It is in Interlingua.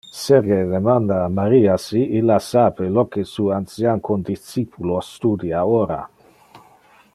Sergey demanda a Maria si illa sape lo que su ancian condiscipulos studia ora.